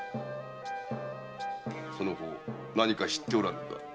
その方何か知っておらぬか？